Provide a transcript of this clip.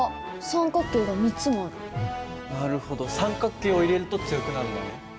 なるほど三角形を入れると強くなるんだね。